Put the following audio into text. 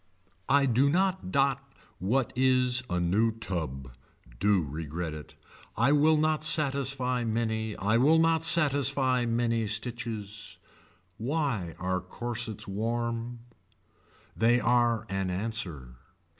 I do not dot what is a new tub. Do regret it. I will not satisfy many I will not satisfy many stitches. Why are corsets warm. They are an answer.